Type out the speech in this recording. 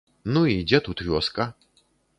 Ну і дзе тут вёска?